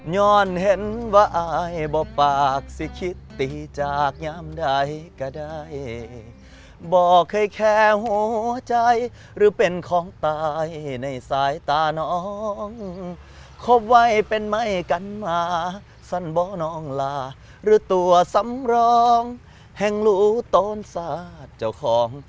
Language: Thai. อยู่ต้นสัตว์เจ้าของ